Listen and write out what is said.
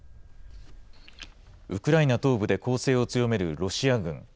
ウクライナ東部で攻勢を強めるロシア軍。